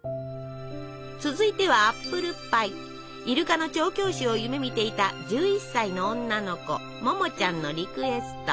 続いてはイルカの調教師を夢みていた１１歳の女の子ももちゃんのリクエスト。